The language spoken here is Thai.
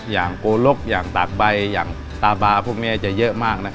อย่างโกรกตากใบตาบาร์พวกนี้จะเยอะมาก